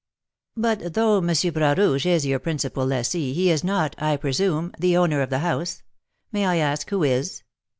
"But though M. Bras Rouge is your principal lessee, he is not, I presume, the owner of the house; may I ask who is?"